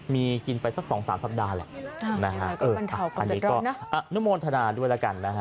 มีกินไปสักสองสามสัปดาห์แล้วอันนี้ก็นุโมนทนาด้วยแล้วกัน